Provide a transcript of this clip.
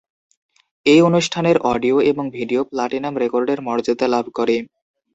এই অনুষ্ঠানের অডিও এবং ভিডিও প্লাটিনাম রেকর্ডের মর্যাদা লাভ করে।